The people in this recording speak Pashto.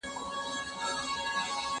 زه ليکنې نه کوم